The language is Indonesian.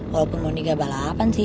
walaupun mondi gak balapan sih